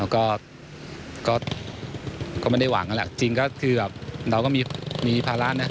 ก็ก็ไม่ได้หวังนั่นแหละจริงก็คือแบบเราก็มีภาระนะ